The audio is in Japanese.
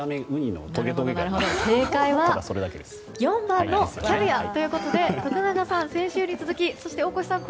正解は４番のキャビアということで徳永さん、先週に続きそして大越さん